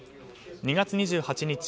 ２月２８日